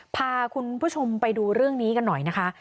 พาคุณผู้ชมไปดูเรื่องนี้กันหน่อยนะคะ